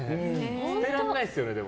捨てられないですよね。